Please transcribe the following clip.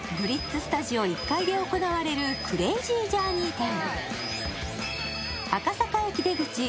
スタジオ１階で行われる「クレイジージャーニー展」。